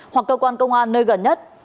hoặc cơ quan công an nơi gần nhất